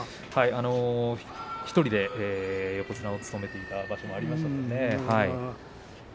一人横綱を務めていた場所もありましたね。